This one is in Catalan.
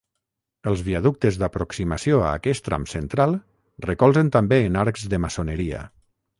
Els viaductes d'aproximació a aquest tram central recolzen també en arcs de maçoneria.